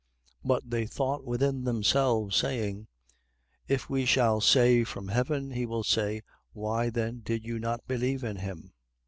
20:5. But they thought within themselves, saying: If we shall say, From heaven: he will say: Why then did you not believe in him?